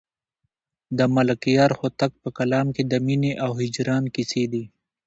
د ملکیار هوتک په کلام کې د مینې او هجران کیسې دي.